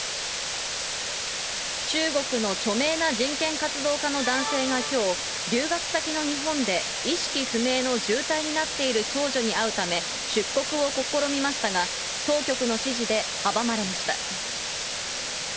中国の著名な人権活動家の男性がきょう、留学先の日本で、意識不明の重体になっている長女に会うため、出国を試みましたが、当局の指示で阻まれました。